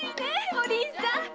お凛さん！